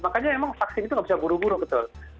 makanya emang vaksin itu nggak bisa buru buru betul